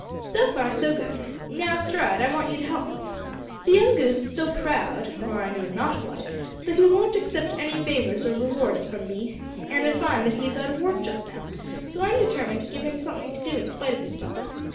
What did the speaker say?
"So far, good. Now, Stride, I want you to help me. The young goose is so proud, or I know not what, that he won't accept any favours or rewards from me, and I find that he is out of work just now, so I'm determined to give him something to do in spite of himself.